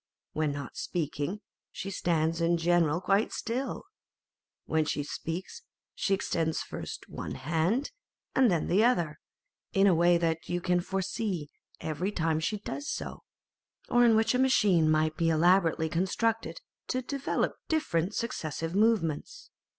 When not speaking, she stands in general quite still. When she speaks, she extends first one hand and then the other, in a way that you can foresee every time she does so, or in which a machine might be elaborately constructed to develop different successive movements.